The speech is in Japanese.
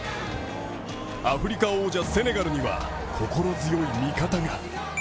アフリカ王者セネガルには心強い味方が。